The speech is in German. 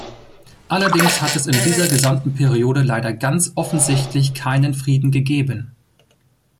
Allerdings hat es in dieser gesamten Periode leider ganz offensichtlich keinen Frieden gegeben.